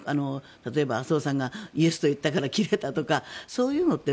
例えば、麻生さんがイエスと言ったから切れたとかそういうのって